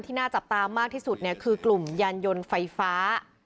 ที่น่าจับตามมากที่สุดคือกลุ่มยานยนต์ไฟฟ้า